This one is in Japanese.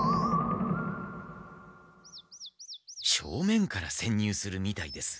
正面からせんにゅうするみたいです。